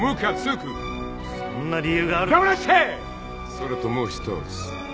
それともう一つ。